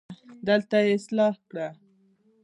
دلته يې اصلاح کړه